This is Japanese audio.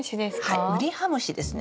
はいウリハムシですね。